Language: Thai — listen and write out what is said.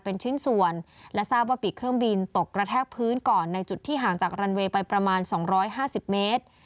ไปประมาณ๒๕๐เมตร